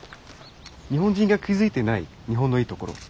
日本人が気付いてない日本のいいところ。